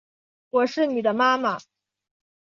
我是妳的妈妈